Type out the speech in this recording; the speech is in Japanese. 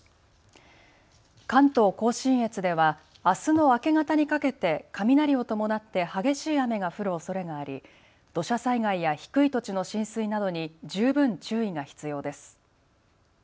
関東甲信越ではあすの明け方にかけて雷を伴って激しい雨が降るおそれがあり、土砂災害や低い土地の浸水などに十分注意が必要です。